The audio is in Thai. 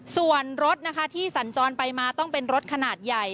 ส่วนรถนะคะที่สัญจรไปมาต้องเป็นรถขนาดใหญ่